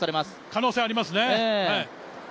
可能性ありますね。